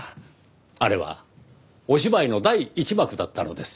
あれはお芝居の第１幕だったのです。